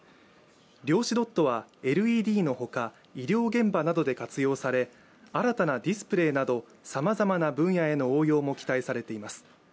量子ドットは、ＬＥＤのほか医療現場などで活用され新たなディスプレーなど、さまざまな分野への応用も期待されています。